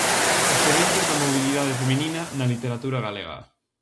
Experiencias da mobilidade feminina na literatura galega.